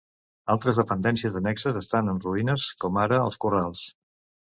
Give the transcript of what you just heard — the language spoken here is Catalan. Altres dependències annexes estan en ruïnes, com ara, els corrals.